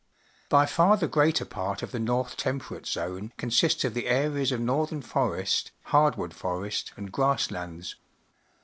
By fai^he greater part of the North Tem perate Zone consists of the areas of northern forest, hardwood forest, and grass lands.